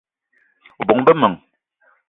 O bóng-be m'men